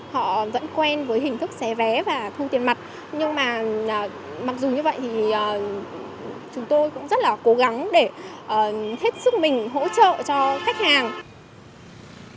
họ vẫn quen với hình thức xé vé và thu tiền mặt nhưng mà mặc dù như vậy thì chúng tôi cũng rất là cố gắng để hết sức mình hỗ trợ cho khách hàng